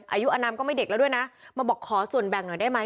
อายุอนามก็ไม่เด็กแล้วด้วยนะมาบอกขอส่วนแบ่งหน่อยได้ไหม